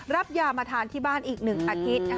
รับยามาทานที่บ้านอีก๑อาทิตย์